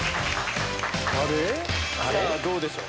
あれ⁉どうでしょう？